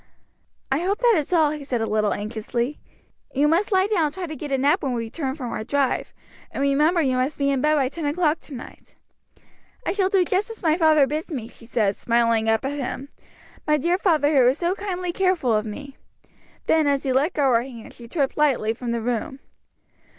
"I hope that is all," he said a little anxiously. "You must lie down and try to get a nap when we return from our drive; and remember you must be in bed by ten o'clock to night." "I shall do just as my father bids me," she said, smiling up at him, "my dear father who is so kindly careful of me." Then as he let go her hands, she tripped lightly from the room.